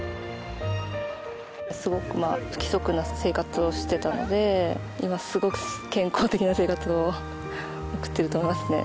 すごくまあ不規則な生活をしてたので今すごく健康的な生活を送ってると思いますね。